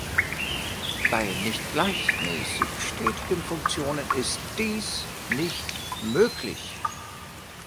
Bei nicht gleichmäßig stetigen Funktionen ist dies nicht möglich.